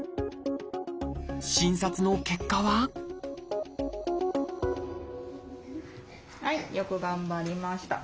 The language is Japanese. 診察の結果ははいよく頑張りました。